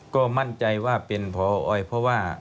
ก็มั่นใจว่าเป็นพอยเพราะว่า